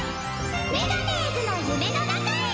メガネーズの夢の中へ！